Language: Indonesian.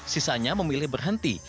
sisanya memilih berhenti